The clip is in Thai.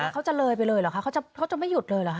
แล้วเขาจะเลยไปเลยหรือคะเขาจะไม่หยุดเลยหรือคะ